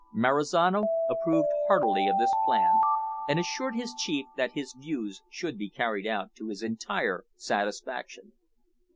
Marizano approved heartily of this plan, and assured his chief that his views should be carried out to his entire satisfaction.